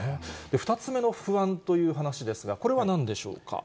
２つ目の不安という話ですが、これはなんでしょうか。